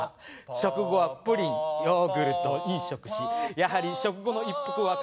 食後はプリンヨーグルトを飲食しやはり食後の一服は欠かせないもので。